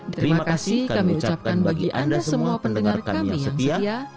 terima kasih kami ucapkan bagi anda semua pendengar kami yang setia